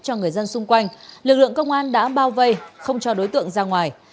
cho người dân xung quanh lực lượng công an đã bao vây không cho đối tượng ra ngoài